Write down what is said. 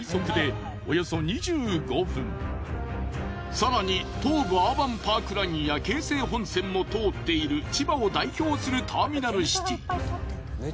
更に東武アーバンパークラインや京成本線も通っている千葉を代表するターミナルシティ。